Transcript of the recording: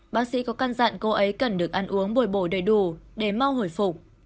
bác sĩ có căn dặn cô ấy cần được ăn uống bồi bổ đầy đủ để mau hồi phục